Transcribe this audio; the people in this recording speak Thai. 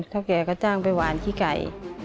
แกก็จ้างไปหวานขี้ไก่